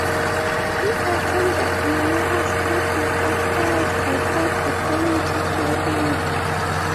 He attended numerous courses afterwards before deploying to Korea.